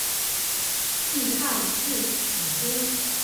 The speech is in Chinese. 技盖至此乎？